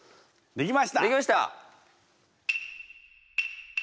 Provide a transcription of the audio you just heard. できました。